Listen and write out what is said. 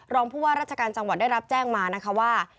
รองผู้ว่าราชการจังหวัดได้รับแจ้งมานะคะว่า